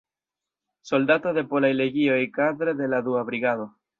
Soldato de Polaj Legioj kadre de la Dua Brigado.